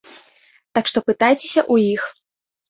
Так што пытайцеся ў іх.